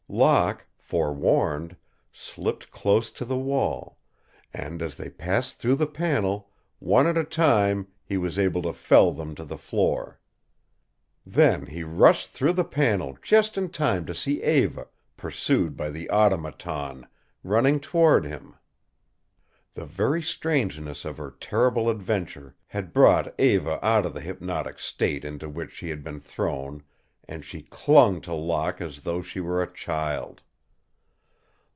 Locke, forewarned, slipped close to the wall, and, as they passed through the panel, one at a time, he was able to fell them to the floor. Then he rushed through the panel just in time to see Eva, pursued by the Automaton, running toward him. The very strangeness of her terrible adventure had brought Eva out of the hypnotic state into which she had been thrown and she clung to Locke as though she were a child.